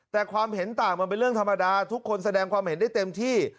แต่ความเห็นต่างมันเป็นเรื่องธรรมดาทุกคนแสดงความเห็นได้เต็มที่